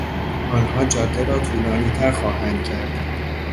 آنها جاده را طولانیتر خواهند کرد.